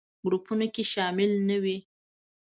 ګروپونو کې شامل نه وي.